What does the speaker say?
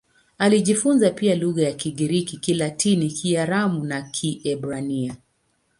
Alijifunza pia lugha za Kigiriki, Kilatini, Kiaramu na Kiebrania.